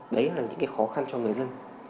đấy là những cái khó khăn cho người dân